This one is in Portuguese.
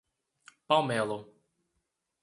Palmelo